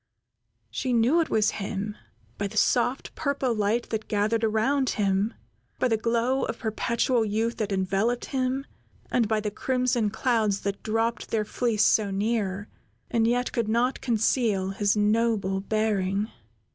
She knew it was him by the soft, purple light that gathered around him; by the glow of perpetual youth that enveloped him, and by the crimson clouds that dropped their fleece so near, and yet could not conceal his noble bearing.